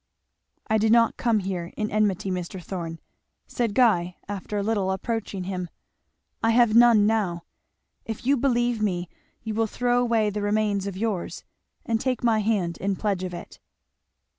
"I did not come here in enmity, Mr. Thorn," said Guy after a little approaching him; "I have none now. If you believe me you will throw away the remains of yours and take my hand in pledge of it."